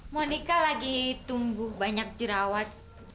monika lagi tumbuh banyak jerawat